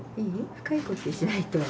深い呼吸しないと。